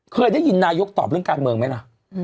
เคยได้ยินนายกตอบเรื่องการเมืองไหมล่ะ